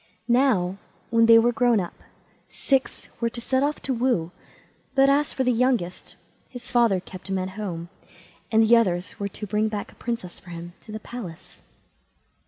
Now, when they were grown up, six were to set off to woo, but as for the youngest, his father kept him at home, and the others were to bring back a princess for him to the palace.